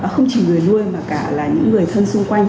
không chỉ người nuôi mà cả là những người thân xung quanh